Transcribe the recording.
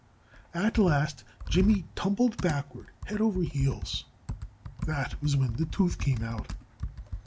At last Jimmy tumbled backward, head over heels. That was when the tooth came out.